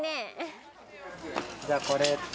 じゃあこれと。